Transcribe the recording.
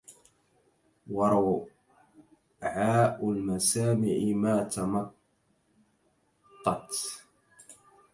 وروعاء المسامع ما تمطت